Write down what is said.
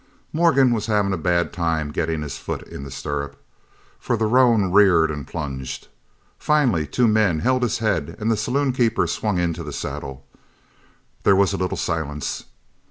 Morgan was having a bad time getting his foot in the stirrup, for the roan reared and plunged. Finally two men held his head and the saloon keeper swung into the saddle. There was a little silence.